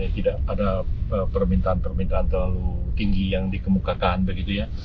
tidak ada permintaan permintaan terlalu tinggi yang dikemukakan begitu ya